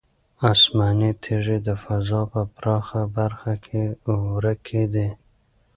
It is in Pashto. آسماني تیږې د فضا په پراخه برخه کې ورکې دي.